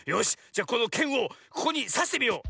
じゃこのケンをここにさしてみよう。